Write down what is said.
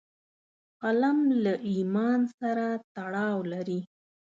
قلم له ایمان سره تړاو لري